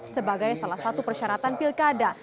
sebagai salah satu persyaratan pilkada